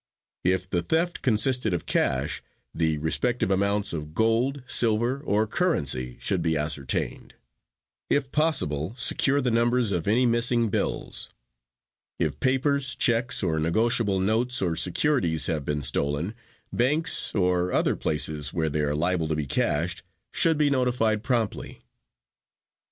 If the theft consisted of cash, the respective amounts of gold, silver or currency should be ascertained. If possible, secure the numbers of any missing bills. If papers, checks or negotiable notes or securities have been stolen, banks or other places where they are liable to be cashed should be notified promptly.